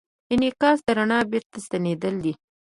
انعکاس د رڼا بېرته ستنېدل دي.